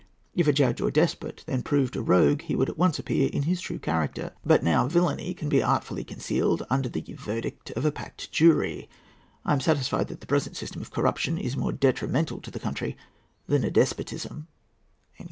If a judge or despot then proved a rogue, he would at once appear in his true character; but now villany can be artfully concealed under the verdict of a packed jury. I am satisfied that the present system of corruption is more detrimental to the country than a despotism."